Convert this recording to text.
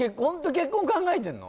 結婚考えてんの？